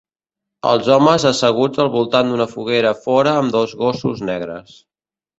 Els homes asseguts al voltant d'una foguera fora amb dos gossos negres.